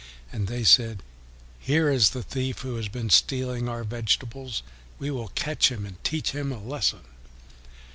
And they said, "Here is the thief who has been stealing our vegetables. We will catch him and teach him a lesson."